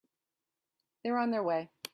They're on their way.